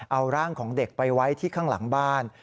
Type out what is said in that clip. เอาร่างของเด็กไปไว้ที่ข้างหลังบ้าน